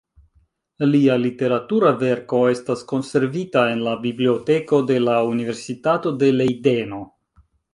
Lia literatura verko estas konservita en la Biblioteko de la Universitato de Lejdeno.